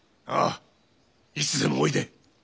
ああいつでもおいで。